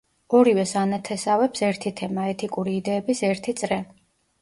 ორივეს ანათესავებს ერთი თემა, ეთიკური იდეების ერთი წრე.